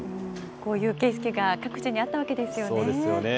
こういう景色が各地にあったわけですよね。